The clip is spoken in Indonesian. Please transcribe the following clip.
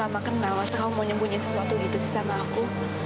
udah lama kenal masa kamu mau nyembunyi sesuatu gitu sih sama aku